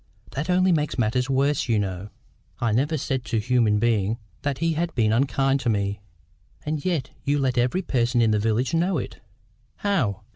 That only makes matters worse, you know." "I never said to human being that he had been unkind to me." "And yet you let every person in the village know it." "How?"